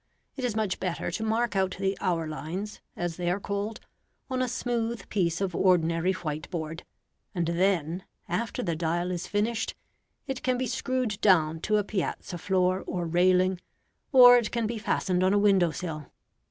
It is much better to mark out the hour lines, as they are called, on a smooth piece of ordinary white board, and then, after the dial is finished, it can be screwed down to a piazza floor or railing, or it can be fastened on a window sill.